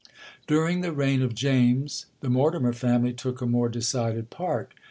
'During the reign of James, the Mortimer family took a more decided part.